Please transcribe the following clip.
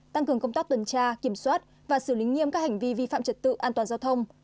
tăng cường công tác tuần tra kiểm soát và xử lý nghiêm các hành vi vi phạm trật tự an toàn giao thông